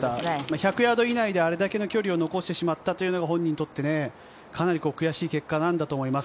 １００ヤード以内であれだけの距離を残してしまったというのが本人にとってかなり悔しい結果なんだと思います。